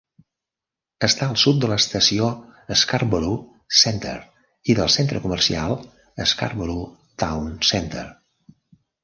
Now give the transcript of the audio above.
Està al sud de l'estació Scarborough Centre i del centre comercial Scarborough Town Centre.